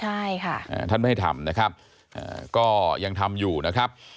ใช่ค่ะอ่าท่านไม่ให้ทำนะครับก็ยังทำอยู่นะครับ